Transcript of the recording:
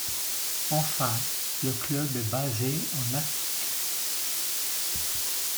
Enfin, le club est basé en Attique.